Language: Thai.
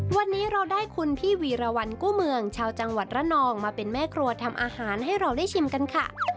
วันนี้เราได้คุณพี่วีรวรรณกู้เมืองชาวจังหวัดระนองมาเป็นแม่ครัวทำอาหารให้เราได้ชิมกันค่ะ